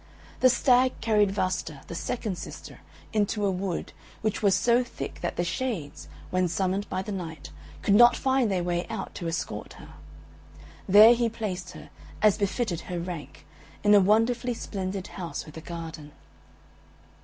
The Stag carried Vasta, the second sister, into a wood, which was so thick that the Shades, when summoned by the Night, could not find their way out to escort her. There he placed her, as befitted her rank, in a wonderfully splendid house with a garden.